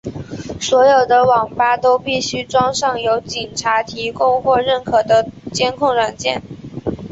所有的网吧都必须装上由警察提供或认可的监控软件。